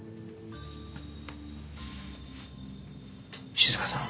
静香さん